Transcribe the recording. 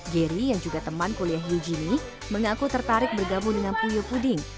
geri yang juga teman kuliah yujini mengaku tertarik bergabung dengan puyo puding